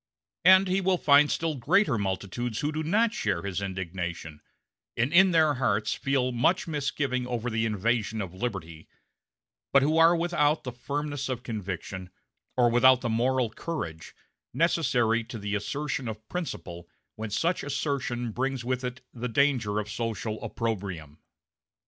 And he will find still greater multitudes who do not share his indignation, and in their hearts feel much misgiving over the invasion of liberty, but who are without the firmness of conviction, or without the moral courage, necessary to the assertion of principle when such assertion brings with it the danger of social opprobrium.